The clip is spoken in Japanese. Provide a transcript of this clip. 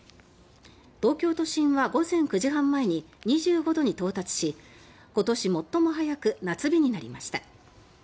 東京都心は午前９時半前に２５度に到達し今年最も早く夏日になりました。